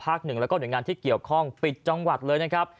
และก็เหนืองานที่เกี่ยวข้องปิดจังหวัดเลยนะครับ